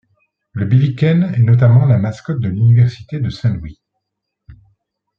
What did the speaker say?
Le Billiken est notamment la mascotte de l'Université de Saint-Louis.